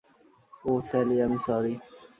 ওহ Sally, আমি sorry!